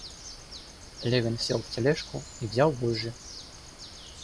Левин сел в тележку и взял вожжи.